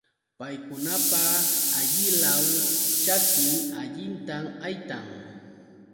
Paykunapa allilaw ćhakin allintam haytan.